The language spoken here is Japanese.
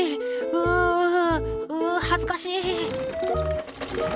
うぅうぅ恥ずかしい！